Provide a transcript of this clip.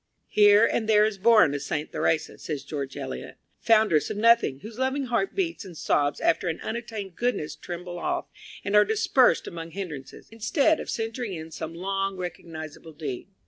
"Here and there is born a Saint Theresa," says George Eliot, "foundress of nothing, whose loving heart beats and sobs after an unattained goodness tremble off and are dispersed among hindrances, instead of centring in some long recognizable deed."